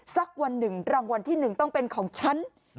สักวันหนึ่งรางวัลที่๑ต้องเป็นของฉัน